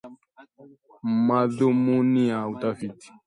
Madhumuni ya utafiti